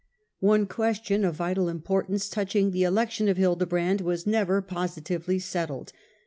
One question of vital importance touching the elec tion of Hildebrand was never positively settled.